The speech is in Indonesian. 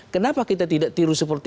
kenapa kita tidak tiru seperti